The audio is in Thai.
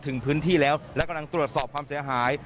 ถึงพื้นที่แล้วและกำลังตรวจสอบความเสียหาย